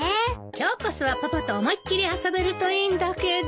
今日こそはパパと思いっきり遊べるといいんだけど。